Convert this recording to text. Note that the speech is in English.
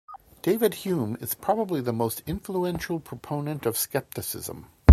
David Hume is probably the most influential proponent of skepticism.